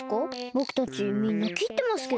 ぼくたちみんなきってますけど。